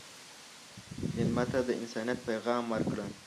مېلمه ته د انسانیت پیغام ورکړه.